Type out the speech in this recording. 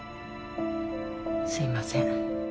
すいません。